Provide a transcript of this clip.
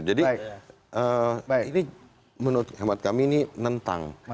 jadi menurut khidmat kami ini nentang